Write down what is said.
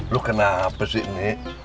lu kenapa sih nek